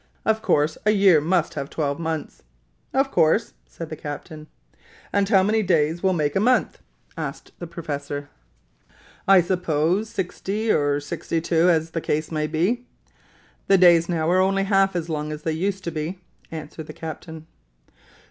Of course a year must have twelve months!" "Of course," said the captain. "And how many days will make a month?" asked the professor. "I suppose sixty or sixty two, as the case may be. The days now are only half as long as they used to be," answered the captain.